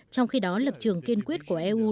trong khi đó lập trường kiên quyết của eu